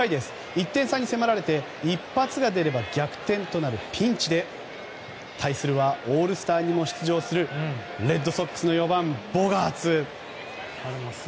１点差に迫られて一発が出れば逆転となるピンチで対するはオールスターにも出場するレッドソックスの４番ボガーツ。